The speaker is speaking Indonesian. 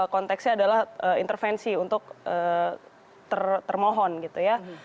konteksnya adalah intervensi untuk termohon gitu ya